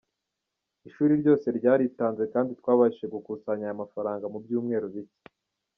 Ishuri ryose ryaritanze kandi twabashije gukusanya aya mafaranga mu byumweru bike".